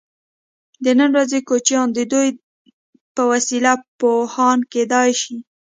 د نن ورځې کوچنیان د دوی په وسیله پوهان کیدای شي.